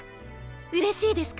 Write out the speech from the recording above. うれしいですか？